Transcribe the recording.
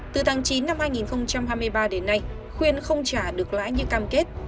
từ tháng chín năm hai nghìn hai mươi ba đến nay khuyên không trả được lãi như cam kết